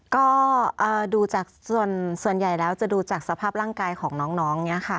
ก็ดูจากส่วนใหญ่แล้วจะดูจากสภาพร่างกายของน้องเนี่ยค่ะ